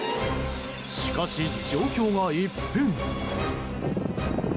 しかし、状況が一変。